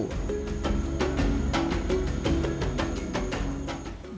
kajang dalam diperlukan untuk mengembangkan